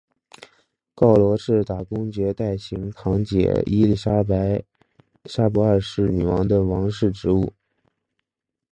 告罗士打公爵代行堂姐伊利莎伯二世女王的王室职务。